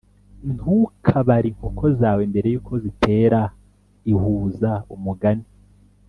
ntukabare inkoko zawe mbere yuko zitera ihuza umugani